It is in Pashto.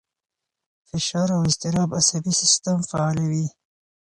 فشار او اضطراب عصبي سیستم فعالوي.